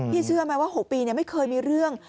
เชื่อไหมว่า๖ปีไม่เคยมีเรื่อง